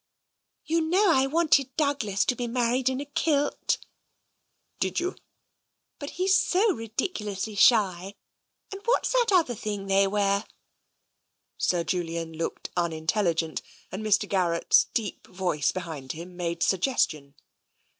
" You know I wanted Douglas to be married in a kilt?'' "Did you?" " But he's so ridiculously shy. And what's that other thing they wear? " Sir Julian looked unintelligent and Mr. Garrett's deep voice behind him made suggestion.